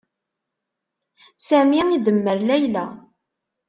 Sami idemmer Layla.